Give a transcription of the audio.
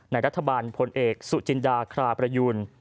รัฐบาลพลเอกสุจินดาคราประยูน